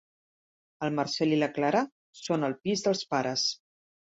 El Marcel i la Clara són al pis dels pares.